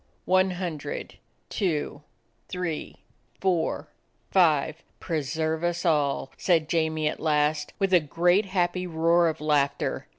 "One hundred, two, three, four, five. Pre serve us all!" said Jamie at last, with a great, happy roar of laughter.